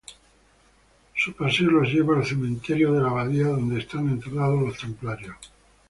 Su paseo los lleva al cementerio de la abadía donde están enterrados los templarios.